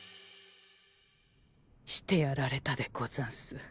してやられたでござんす。